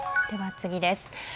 では次です。